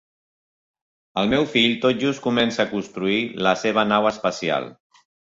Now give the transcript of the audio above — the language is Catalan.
El meu fill tot just comença a construir la seva nau espacial.